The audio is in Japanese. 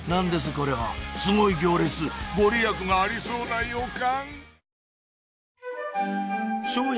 これはすごい行列ご利益がありそうな予感！